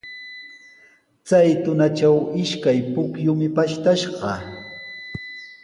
Chay tunatraw ishkay pukyumi pashtashqa.